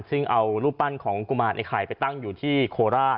ซึ่งเอารูปปั้นของกุมารไอไข่ไปตั้งอยู่ที่โคราช